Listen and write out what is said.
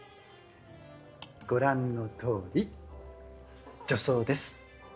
ご覧のとおり女装です。